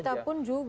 buat kita pun juga ya